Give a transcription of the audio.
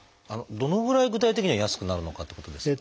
どのぐらい具体的には安くなるのかってことですが。